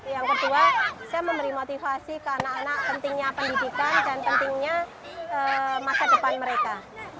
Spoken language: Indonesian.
yang kedua saya memberi motivasi ke anak anak pentingnya pendidikan dan pentingnya masa depan mereka